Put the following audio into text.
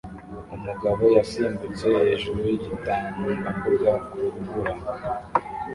Umugabo yasimbutse hejuru yigitambambuga ku rubura